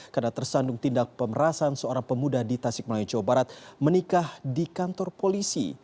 karena tersandung tindak pemerasan seorang pemuda di tasik malay jawa barat menikah di kantor polisi